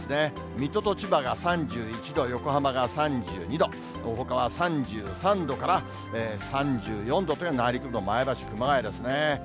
水戸と千葉が３１度、横浜が３２度、ほかは３３度から３４度という、内陸部の前橋、熊谷ですね。